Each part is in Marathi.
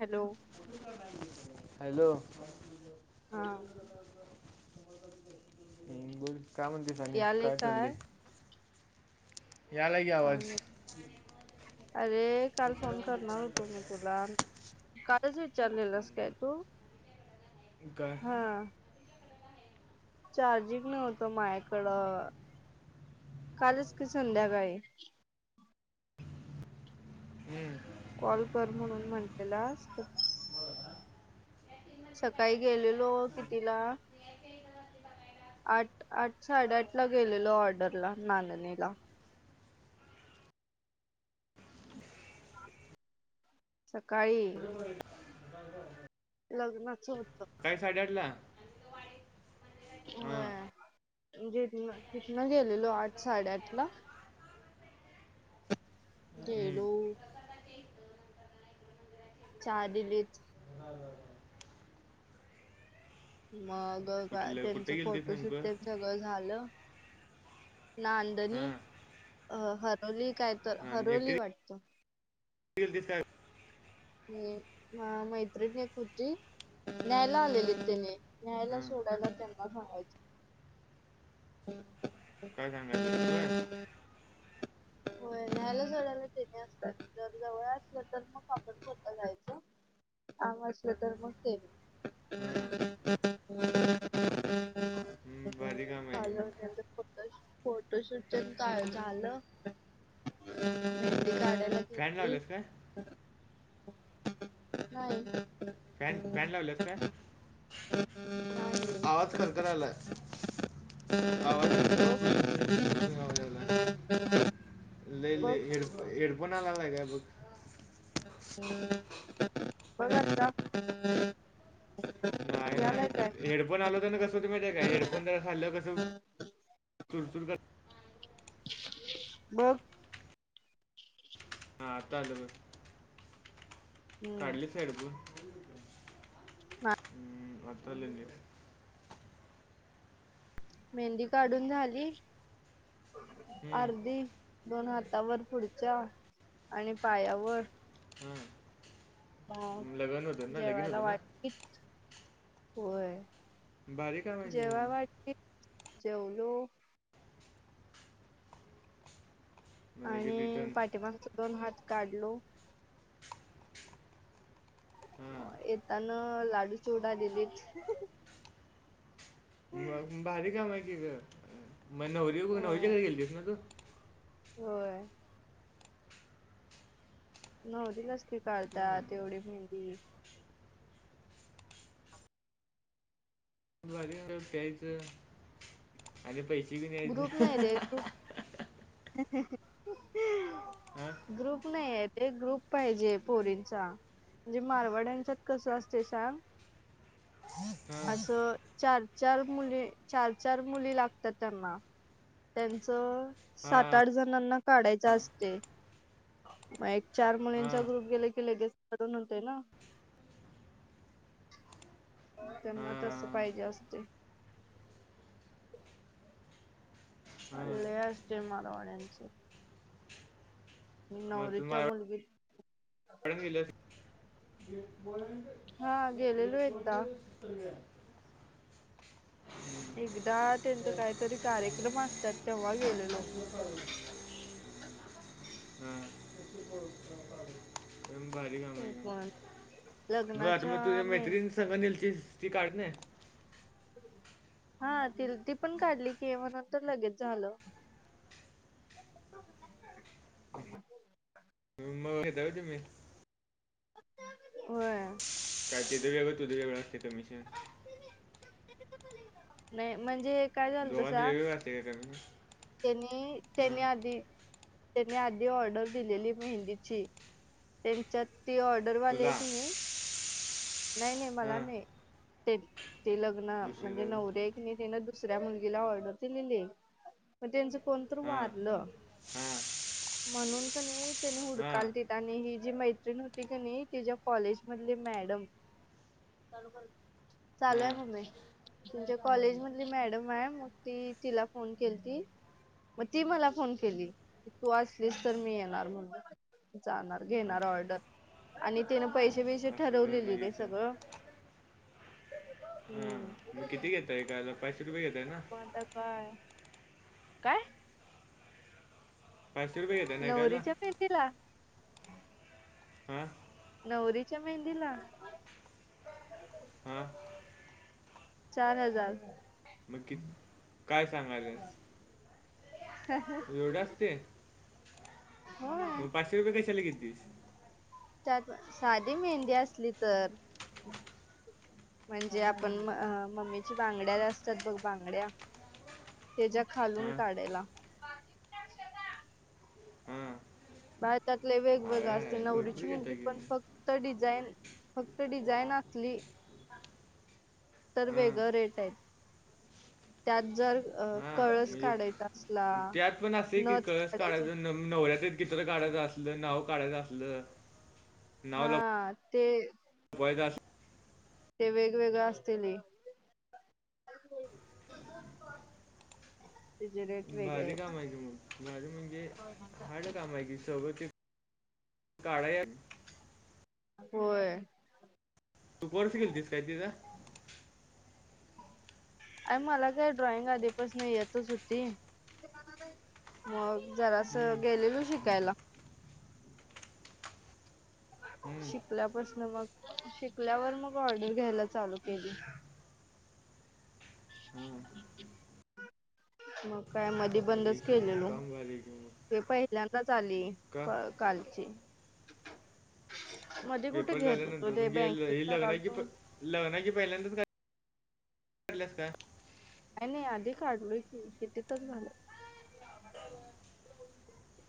हॅलो हॅलो हा हम् बोल काय म्हणतेस आणि काय चाललय यायलाय की आवाज आणि अरे काल फोन करणार होतो मी तुला कालच विचारलेलास काय तू काय हा चार्जिंग नव्हतं माझ्याकडं कालच की संध्याकाळी हम्म कॉल कर म्हणून म्हटलेलास त सकाळी गेलेलो कितीला आठ आठ साडेआठ ला गेलेलो ऑर्डरला नांदणीला सकाळी लग्नाची होतं सकाळी साडे आठला हा म्हणजे इथनं इथनं गेलेलो आठ साडेआठ ला हम्म गेलो चहा दिलीच मग गा कुठलं कुठं त्यांचं गेलतीस फोटोशूट नेमकं ते सगळं झालं नांदणी हां अ हरोली काय तर हरोली वाटतं ते दिसाय हम्म म, एक मैत्रीण होती. न्यायाला आलेले त्येनी, न्यायाला हां सोडायला त्यांना सांगायचं. [unintelligible] काय सांगालेस, होय. होय न्यायला सोडयला तेन्ही असतात, जर जवळ असलं तर मग चालत स्वतःता जायचं काम असलं तर मग तेन्ही. हां हम्म, भारी काम आहे की मग झालं, त्यांचं फोटोशूट तेन काय झालं? [inaudible] फ्रॅन लावलेस काय? नाही फॅन, फॅन लावलेत काय? नाही आवाज खरखरालाय. आवाज अस, चुई, चुई, चुई, चुई आवाज यायलाय. लई, बघ लई हेडफोन, हेडफोन हलालाय काय बघ. बघ आता. नाही, यालाय नाही काय हेडफोन हलवताना कसं होतय माहिती आहे काय, हेडफोन जरा हल्यावर कस चुर, चूर करत बघ. हा आता आलं बघ. हम्म काढलीस हेडफोन? हा हम्म आता आले नीट. मेहंदी काढून झाली. हम्म, अर्धी दोन हातावर पुढच्या, आणि पायावर. मग हम, लगन होत ना, लगिन होत जेवायला ना? वाटली होय, भारी काम आहे की जेव्हा मग. वाढतील, जेवलो. मग लगेच आणि रिटर्न पाठीमागचा दोन हात काढलो. हां येताना लाडू चिवढा दिलीत. मग, बारी काम आहे कि गं, मग नवरी, होय नवरीच्या घरी गेलतीस ना तू? होय. नवरीलाच की काढतात, हं. एवढी मेहंदी. भारी बाबा प्यायचं, आणि पैसे बी ग्रुप नाही रे न्यायचं. ग्रुप [unintelligible] आं. ग्रुप नाहीयत रे, ग्रुप पाहिजे पोरींचा. म्हणजे मारवाड्यांच्यात कसं असतय सांग. हां असं चार- चार मुली, चार -चार मुली लागतात. त्यांना, त्यांचं हां सात- आठ जणांना काढायच असतय. मग एक चार हां मुलींचा ग्रुप गेल की लगेच काढून होतय ना. त्यांना तस हां पाहिजे असतय. हां लई असतंय मारवाड्याच. मी नवरीच्या मुलगीत मॅडम गेल्यात. हा गेलेलो एकदा [inaudible] एकदा त्यांचा कायतरी कार्यक्रम असत्यात तेव्हा गेलेलो. ह. बारी काम हाय ते कि पण मग, आता लग्नाच्या मग तुझ्या मेन मैत्रीण संग नेलतीस ती काढत नाही? हा, ति ती पण काढली की, म्हणन तर लगेच झालं. [inaudible] [inaudible] मुंबई पाहता का तुम्ही. [unintelligible] काय ते तर वेगळ तू द वेगळं असते कमिशन. नाही म्हणजे काय झालत दोघां दि सांग वेगळी घातली का [unintelligible] त्यांनी त्यानी हां आधी त्यानी आधी ऑर्डर दिलेली मेहंदीची. त्यांच्यात ती ऑर्डरवाली आहे तुला की नाही [inaudible] नाही नाही मला हां नाही ते ते लग्न दुसरी म्हणजे जाऊ नवरे दुसऱ्या मुलगीला ऑर्डर दिलेली पण त्यांच कोण तर हां वारलं हां म्हणून का नाही त्याने हां हुडकाल ते आणि ही जी मैत्रिण होती का नाही तिच्या कॉलेज मधली मॅडम चालू आहे हां मम्मी. तुमच्या कॉलेज मधली मॅडम आहे मग ती तिला फोन केलती. मग ती मला फोन केली. तू असलीस तर मी येणार म्हणून जाणार घेणार अ- ऑर्डर. आणि तिनं पैसे बिसे असं होय ठरवलेली म्हणजे ते सर सगळं. हा हम्म मग किती घेतंय एकाला पाचशे रुपये घेतय ना, मग आता काय काय? पाचशे रुपये घेताय ना एकाला नवरीच्या पेंटीला हां, नवरीच्या मेहंदीला हां चार हजार मग कि काय सांगालेस एवढ असते. ह, मग पाचशे रुपये कशाला घेतीस. त्यात साधी मेहंदी असली तर, म्हणजे आपण मम्मीची बांगड्या असतात बघ बांगड्या त्याच्या खालून हां काढायला. हां भारतातले अरे वेगवेगळ असते आहे भरपूर नवरीची मुलगी घेता की पण फक्त मग फक्त डिझाईन फक्त डिझाईन असली तर हां वेगळं रेट आहे. त्यात जर हां कळस म्हणजे काढायचा असला त्यात पण असे की नथ कळस काढायचे काढायच न नवऱ्याच चित्र काढायचं असलं, नाव काढायचं असलं, नाव लप हा ते वैदास ते वेगवेगळ असते लई. भारी काम आहेत आहे कि मग भारी म्हणजे हाड काम आहे कि [unintelligible] काढाया होय. तू कोर्स केलतीस काय तिथं आणि मला काय ड्रॉइंग आधीपासन येतच होती मग जरास हम्म, गेलेलो शिकायला हम्म, शिकल्यापासन मग शिकल्यावर मग ऑर्डर घ्यायला चालू केली हां मग काय म ते भारी बंदच की बघ केलेलो काम भारी आहे की मग ते पहिल्यांदाच आली का कालची मध्येे कुठ पेपर घेत होतो झाल्यानंतर ते म्हणजे ल- बँकिंग हे लग्नाची करालतो प- लग्नाची पहिल्यांदाच कराल्यास का काय नाही आधी काढलोय कि कितीतर झालं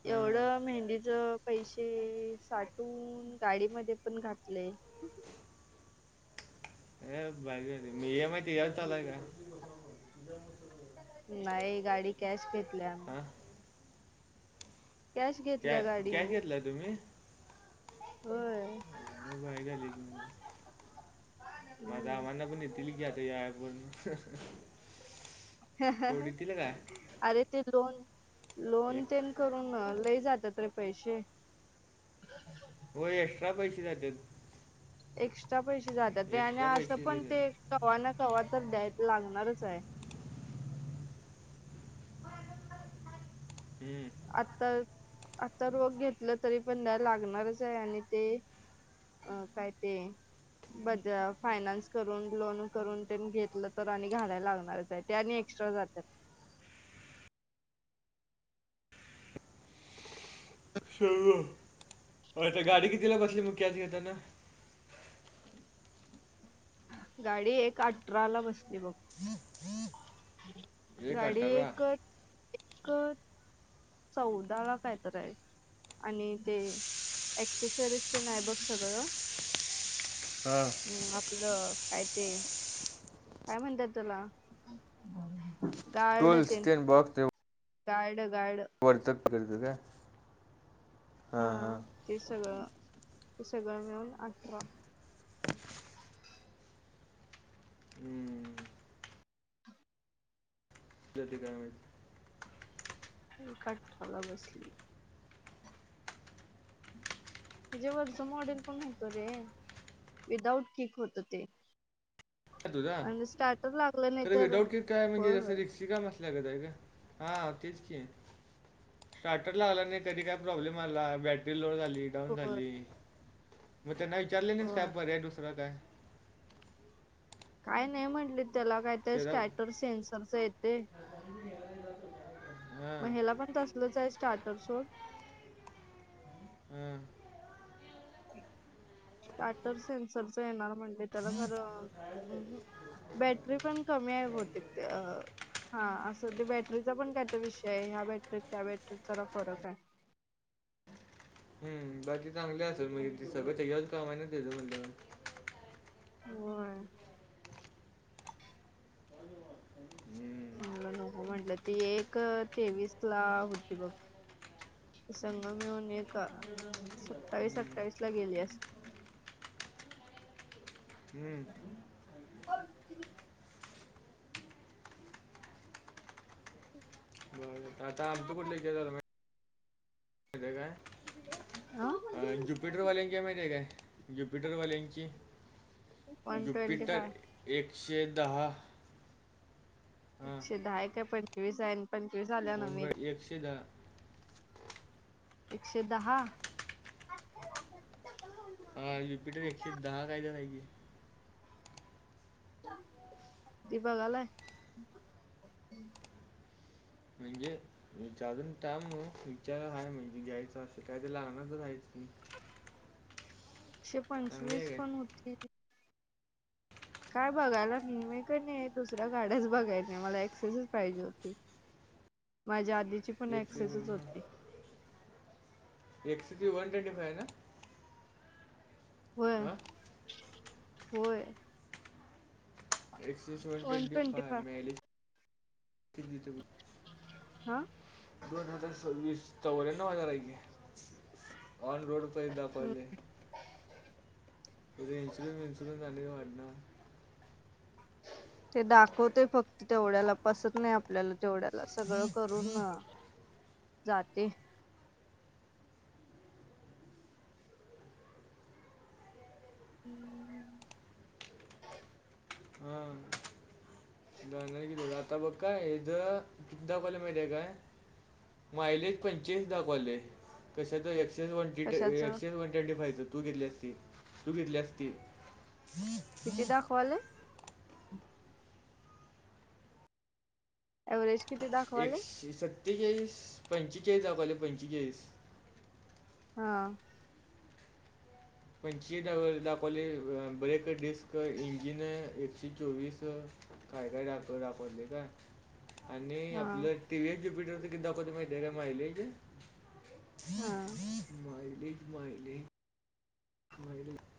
हां एवढं मेहंदीच पैसे साठवून गाडीमध्ये पण घातले ए भारी होते मी इएम आय त्याच्यावर चालू आहे काय नाही गाडी कॅश घेतल्या आम्ही हा घेतल्या कॅश गाडी कॅश घेतलाय तुम्ही होय वाया गेली की मग माझा हम्म आबांना पण येतीली की आता ही आय फोन अरे ते लोन लोन एक तेन करून लई जात्यात रे पैसे होय एक्स्ट्रा पैसे जात्यात एक्स्ट्रा पैसे जात्यात रे आणि एक्स्ट्रा असं पैसे दिले पण ते जातात कवा ना कवा तर द्याय लागणारच आहे ह [inaudible] हू आता आता रोख घेतलं तरी पण द्याला लागणारच आहे आणि ते अ काय ते बजा फायनान्स करून लोन करून तेन घेतलं तर आणि घालायला लागणारच आहेत ते आणि एक्स्ट्रा जात्यात होय ते गाडी कितीला बसली मग कॅश घेताना गाडी एक अठरा ला बसली बघ [inaudible] एक गाडी अठरा एक चौदा काय तर आहे आणि ते एक्सेसरीज तेन हाय नाही बघ सगळं हा हम् आपलं काय ते काय म्हणत्यात त्याला गार्ड टूल्स तेन ते गार्ड गार्ड वरचढ भरायच काय हा हा ते सगळं ते सगळं मिळून अठरा हू जाती काय माहित कठ्याला बसली त्याज्या वरचं मॉडेल पण होत रे विदाउट किक होतं ते तुझा म्हणजे स्टार्टर लागलं नाही तर होय होय [unintelligible] हां. तेच की. स्टार्टर लागला नाही. कधी काय प्रॉब्लेम आला बॅटरी लो झाली- डाऊन होय झाली. मग त्यांना विचारले नाहीस काय? होय पर्याय दुसरा काय? काय नाही म्हंटले. त्याला काय- ते त्याचा स्टॅटर सेनसरच येतयं. म हां ह्याला पण तस- आहे स्टार्टर [unintelligible] हां. स्टार्टर सेनसरच येणार म्हणले. त्याला खरं, अं. हं. बॅटरी पण कमी आहे बहुतेक ते अ ह. हा. असं ते बॅटरीचा पण काय त विषय आहे. ह्या बॅटरीत त्या बॅटरीत जरा फरक आहे. हम्. बाकी चांगली असेल [unintelligible] होय. हम्म, मला नको म्हटलं. ती एक तेवीस ला होती बघ. संग मिळून एक सत्तावीस हम्म, अठ्ठावीस ला गेली अस- हम्म. अ बर आता आमच कुठल ए गव्हर्मेंट? अ ज्युपिटरवाल्यांची माहितीय काय? ज्युपिटरवाल्यांची? वन ट्वेंटी जुपिटर फाय एकशे दहा. हां एकशे दहाय काय पंचवीस आहे? न पंचवीस आल्या वन नवीन. बाय एकशे दहा. एकशे दहा? हा. ज्युपिटर एकशे दहा [unintelligible] तू बघालाय. म्हंजे? विचारून टाम मग. विचाराला हय म्हणजे घ्यायचं असं काय तर लागणार तर आहेच की. एकशे चांगली आहे पंचवीस काय पण होती. काय बघायला? मी म का नाही दुसऱ्या गाड्याच बघायला नाही. मला एक्सेसच पाहिजे होती. माझी आधीची पण एक्सेसच होती. एक्सिस एक्सेस किती वन ट्वेंटी फाय ना? होय आं? होय. X S one twenty five मिळाली [unintelligible] हां? दोन हजार सव्वीस. चौऱ्यांनव हजार आहे की. ऑन रोड [unintelligible] ते इन्शुरन्स विन्शुरन्सले वाढणार. तो दाखवतोय फक्त तेवढ्याला. बसत नाही आपल्याला तेवढ्यात. सगळं करून जाते. अं हम. ह बघायला गेलो तर. आता बघ का [unintelligible] मायलेज पंचेचाळीस दाखवलेय. कशाच - कशाच [unintelligible] तू घेतली असती तू घेतली असती. किती दाखवायलय? ऍव्हरेज किती दाख- एकशे सत्तेचाळीस पंचेचाळीस दाबायला पाहिजे पंचेचाळीस हा पंचवीस दाखवले ब्रेकडिस्क इंजिन एकशे चोवीस काय काय दाखवत दाखवते, काय आणि हा आपलं टी व्ही आहे ज्युप्युटर किती दाखवते माहिती आहे रे मायलेज. हा मायलेट मायलेट मायलेट